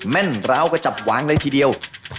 แม่นร้าวกระจับหวางเลยทีเดียว